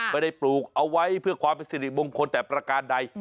ไม่ได้ปลูกเอาไว้เพื่อความผศศิษย์บงคลแบบประการใด